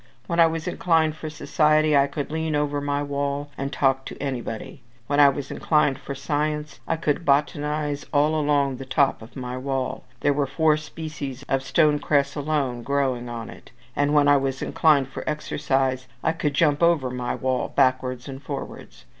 When I was inclined for society, I could lean over my wall, and talk to anybody; when I was inclined for science, I could botanize all along the top of my wall there were four species of stone cress alone growing on it; and when I was inclined for exercise, I could jump over my wall, backwards and forwards.